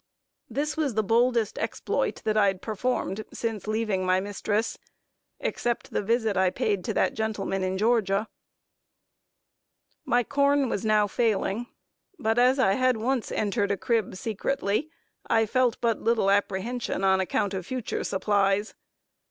This was the boldest exploit that I had performed since leaving my mistress, except the visit I paid to the gentleman in Georgia. My corn was now failing, but as I had once entered a crib secretly, I felt but little apprehension on account of future supplies.